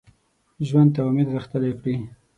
ژوند ته امید غښتلی کړي